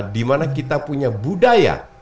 dimana kita punya budaya